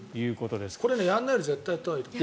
これやらないよりやったほうがいいと思う。